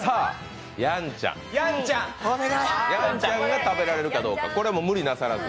やんちゃんが食べられるかどうか。